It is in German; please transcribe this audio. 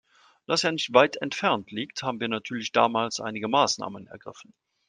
Da es ja nicht weit entfernt liegt, haben wir natürlich damals einige Maßnahmen ergriffen.